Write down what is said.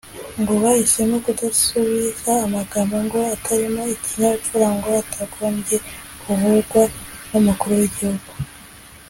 ngo bahisemo kudasubiza amagambo ngo atarimo ikinyabupfura ngo atagombye kuvugwa n’umukuru w’igihugu